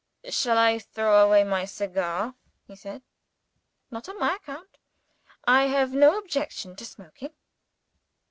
"Shall I throw away my cigar?" he said. "Not on my account. I have no objection to smoking."